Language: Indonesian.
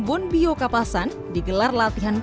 bon bio kapasan digelar latihan